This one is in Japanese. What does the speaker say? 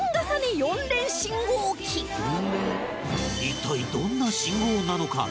一体どんな信号なのか？